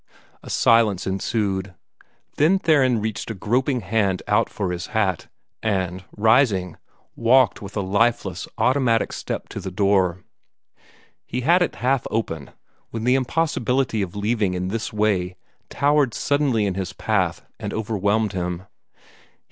A silence ensued. Then Theron reached a groping hand out for his hat, and, rising, walked with a lifeless, automatic step to the door. He had it half open, when the impossibility of leaving in this way towered suddenly in his path and overwhelmed him.